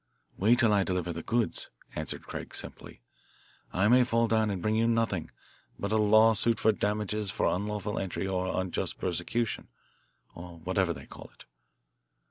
"Wait till I deliver the goods," answered Craig simply. "I may fall down and bring you nothing but a lawsuit for damages for unlawful entry or unjust persecution, or whatever they call it."